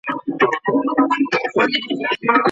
باغونه بې ساتني نه پریښودل کېږي.